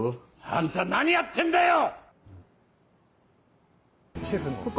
あんた何やってんだよ！